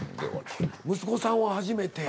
息子さんは初めて。